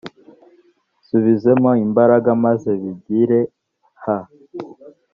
subizemo imbaraga maze bigire ha